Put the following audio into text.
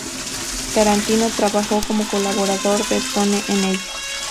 Tarantino trabajo como colaborador de Stone en ella.